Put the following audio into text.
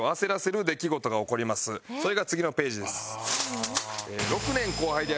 それが次のページです。